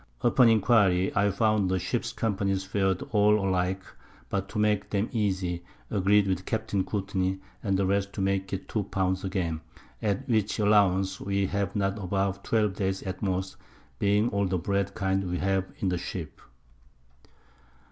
Upon Enquiry I found the Ship's Companies far'd all alike; but to make 'em easie, agreed with Capt. Courtney and the rest to make it 2 Pound again; at which Allowance we have not above 12 Days at most, being all the Bread Kind we have in the Ship.